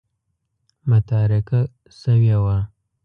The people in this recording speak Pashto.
متارکه شوې وه.